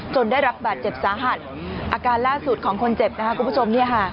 จนได้รับบาดเจ็บสาหัสอาการล่าสุดของคนเจ็บนะครับคุณผู้ชมเนี่ยค่ะ